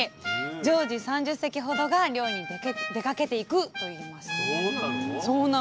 常時３０隻ほどが漁に出かけていくといいます。